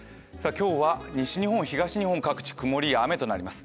今日は西日本、東日本各地曇りや雨となります。